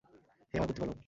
হে আমার প্রতিপালক!